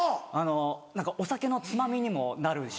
何かお酒のつまみにもなるし。